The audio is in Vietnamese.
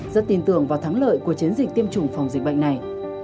rất tin tưởng vào thắng lợi của chiến dịch tiêm chủng phòng dịch bệnh này